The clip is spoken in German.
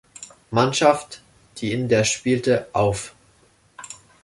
Mannschaft, die in der spielte, auf.